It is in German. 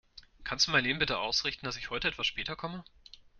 Kannst du Marleen bitte ausrichten, dass ich heute etwas später komme?